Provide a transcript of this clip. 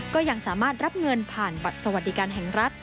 ก็ยังสามารถรับเงินผ่านบัตรสวัสดิการแห่งรัฐ